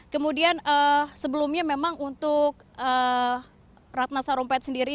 kemudian sebelumnya memang untuk ratna sarumpait sendiri